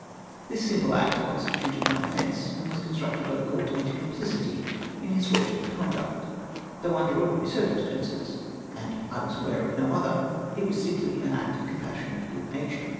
This simple act constituted my offence, and was con strued by the Court into complicity in his fraudulent conduct ! though luider ordinary circumstances, and I was aware of no other, it was simply an act of com passionate good nature.